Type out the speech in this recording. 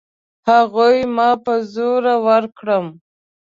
هغوی ما په زور ورکړم.